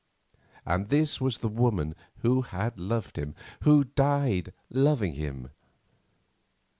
And this was the woman who had loved him, who died loving him.